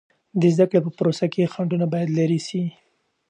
د زده کړې په پروسه کې خنډونه باید لیرې سي.